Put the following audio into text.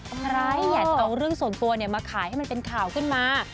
อะไรอยากจะเอาเรื่องส่วนตัวมาขายให้มันเป็นข่าวขึ้นมา